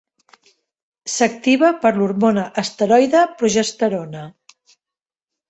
S'activa per l'hormona esteroide progesterona.